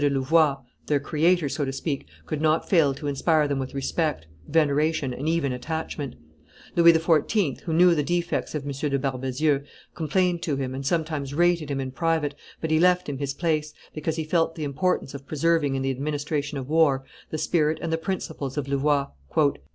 de Louvois, their creator, so to speak, could not fail to inspire them with respect, veneration, and even attachment. Louis XIV., who knew the defects of M. de Barbezieux, complained to him, and sometimes rated him in private, but he left him his place, because he felt the importance of preserving in the administration of war the spirit and the principles of Louvois.